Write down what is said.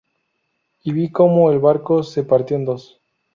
Y vi cómo el barco se partió en dos.